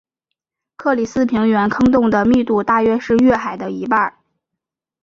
克里斯平原坑洞的密度大约是月海的一半。